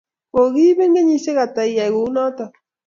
Kokoibin kenyisiek ata iyay kunatok?